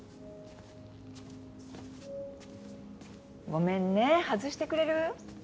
・ごめんね外してくれる？